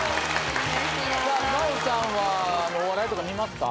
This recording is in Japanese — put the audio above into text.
奈緒さんはお笑いとか見ますか？